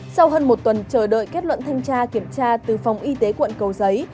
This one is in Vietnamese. sau hơn một tuần chờ đợi kết luận thanh tra kiểm tra từ phòng y tế quận cầu giấy